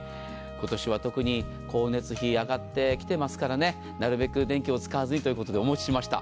今年は特に光熱費が上がってきていますからなるべく電気を使わずにということでお持ちしました。